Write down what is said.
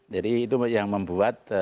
jadi itu yang membuat